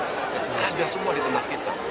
saja semua di tempat kita